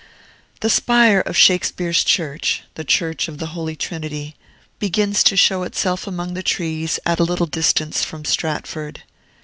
The spire of Shakespeare's church the Church of the Holy Trinity begins to show itself among the trees at a little distance from Stratford.